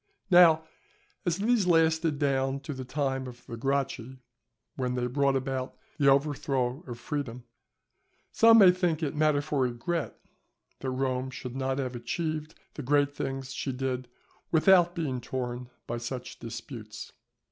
Now, as these lasted down to the time of the Gracchi, when they brought about the overthrow of freedom, some may think it matter for regret that Rome should not have achieved the great things she did, without being torn by such disputes.